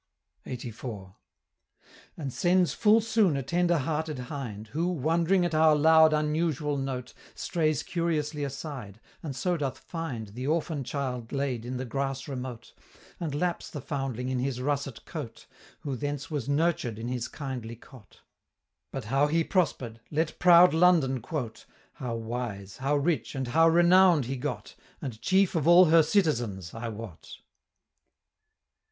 LXXXIV. "And sends full soon a tender hearted hind, Who, wond'ring at our loud unusual note, Strays curiously aside, and so doth find The orphan child laid in the grass remote, And laps the foundling in his russet coat, Who thence was nurtured in his kindly cot: But how he prosper'd let proud London quote, How wise, how rich, and how renown'd he got, And chief of all her citizens, I wot."